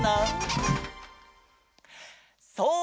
そう！